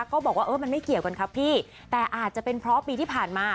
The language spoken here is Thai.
ก็บอกว่าเออมันไม่เกี่ยวกันครับพี่แต่อาจจะเป็นเพราะปีที่ผ่านมา